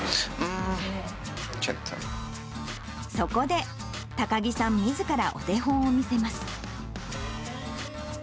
そこで、高木さんみずからお手本を見せます。